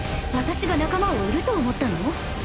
私が仲間を売ると思ったの？